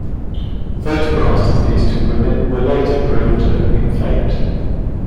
Photographs of these two women were later proved to have been faked.